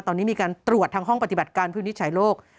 ตอนนี้มีการตรวจทางห้องปฏิบัติการวินิจฉัยโลก